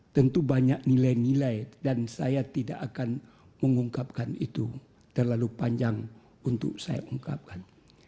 tentu banyak nilai nilai dan saya tidak akan mengungkapkan itu terlalu panjang untuk saya ungkapkan